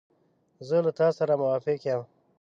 زه له تا سره موافق یم.